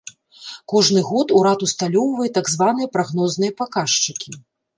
Кожны год урад усталёўвае так званыя прагнозныя паказчыкі.